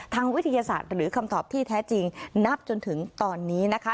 วิทยาศาสตร์หรือคำตอบที่แท้จริงนับจนถึงตอนนี้นะคะ